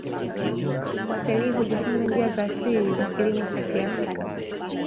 Watalii hujifunza njia za asili za kilimo cha kiafrika